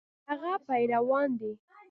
د هغه پیروان دي.